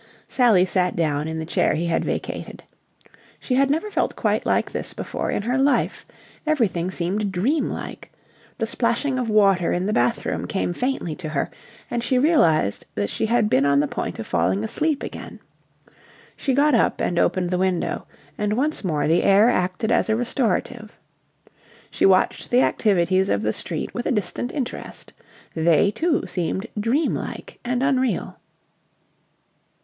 Sally sat down in the chair he had vacated. She had never felt quite like this before in her life. Everything seemed dreamlike. The splashing of water in the bathroom came faintly to her, and she realized that she had been on the point of falling asleep again. She got up and opened the window, and once more the air acted as a restorative. She watched the activities of the street with a distant interest. They, too, seemed dreamlike and unreal.